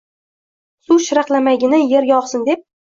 Suv sharaqlamaygina, yerga oqsin deb.